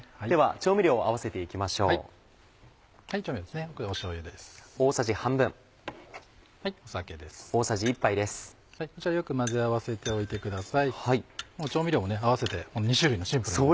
調味料も合わせて２種類のシンプルな。